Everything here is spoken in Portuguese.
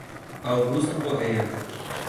Augusto Corrêa